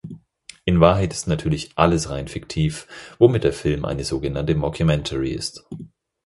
In Wahrheit ist natürlich alles rein fiktiv, womit der Film eine sogenannte Mockumentary ist.